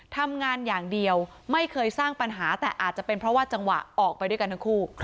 ทำงานอย่างเดียวไม่เคยสร้างปัญหาแต่อาจจะเป็นเพราะว่าจังหวะออกไปด้วยกันทั้งคู่